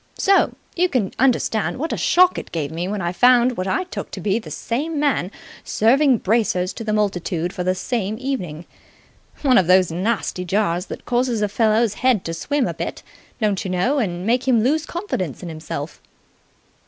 So you can understand what a shock it gave me when I found what I took to be the same man serving bracers to the multitude the same evening. One of those nasty jars that cause a fellow's head to swim a bit, don't you know, and make him lose confidence in himself."